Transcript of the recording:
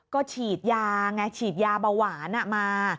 ก็ฉีดยาไงฉีดยาเบาหวานมา